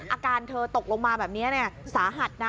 อาการเธอตกลงมาแบบนี้สาหัสนะ